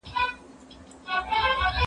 که وخت وي، واښه راوړم.